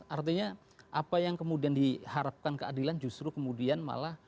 artinya apa yang kemudian diharapkan keadilan justru kemudian malah